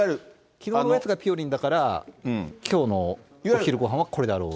きのうのやつがぴよりんだから、きょうのお昼ごはんはこれだろうと。